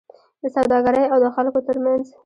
د سوداګرۍاو د خلکو ترمنځ